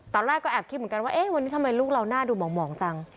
ตอนแรกก็แอบคิดเหมือนกันว่าเอ๊ะวันนี้ทำไมลูกเราหน้าดูหมองจัง